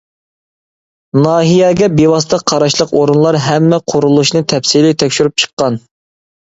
ناھىيەگە بىۋاسىتە قاراشلىق ئورۇنلار ھەممە قۇرۇلۇشنى تەپسىلىي تەكشۈرۈپ چىققان.